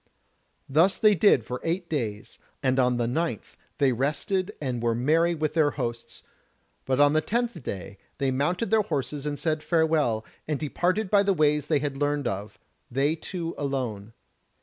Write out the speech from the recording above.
Thus they did for eight days, and on the ninth they rested and were merry with their hosts: but on the tenth day they mounted their horses and said farewell, and departed by the ways they had learned of, they two alone.